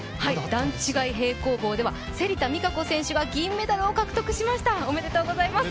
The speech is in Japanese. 段違い平行棒では芹田未果子選手が銀メダルを獲得しましたおめでとうございます。